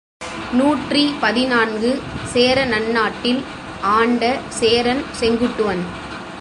நூற்றி பதினான்கு சேர நன்னாட்டில் ஆண்ட சேரன் செங்குட்டுவன்.